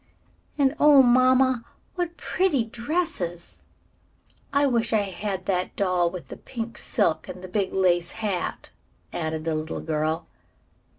"And, oh, mamma, what pretty dresses! I wish I had that doll with the pink silk and the big lace hat," added the little girl.